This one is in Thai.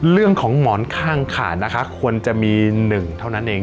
เรื่องของหมอนข้างค่ะนะคะควรจะมี๑เท่านั้นเอง